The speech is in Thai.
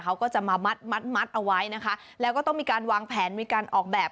เขาก็จะมามัดมัดเอาไว้นะคะแล้วก็ต้องมีการวางแผนมีการออกแบบ